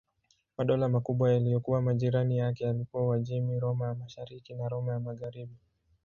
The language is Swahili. Madola makubwa yaliyokuwa majirani yake yalikuwa Uajemi, Roma ya Mashariki na Roma ya Magharibi.